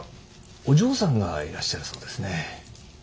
お嬢さんがいらっしゃるそうですね。